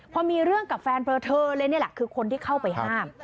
พอมีเรื่องกับแฟนเผลอเธอเลยนี่แหละคือคนที่เข้าไปห้าม